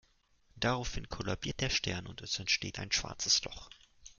Daraufhin kollabiert der Stern und es entsteht ein schwarzes Loch.